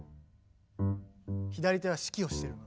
左手は指揮をしてるの。